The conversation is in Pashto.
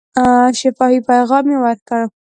شفاهي پیغام یې ورکړ.